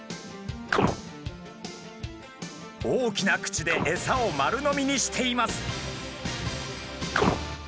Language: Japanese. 大きな口でえさを丸飲みにしています。